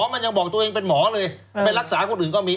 มันยังบอกตัวเองเป็นหมอเลยไปรักษาคนอื่นก็มี